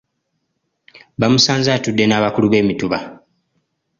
Baamusanze atudde n’abakulu b’emituba.